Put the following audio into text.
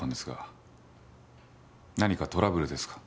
何かトラブルですか？